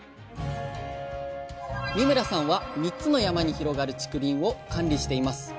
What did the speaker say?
三村さんは３つの山に広がる竹林を管理しています。